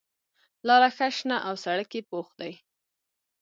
لاره ښه شنه او سړک یې پوخ دی.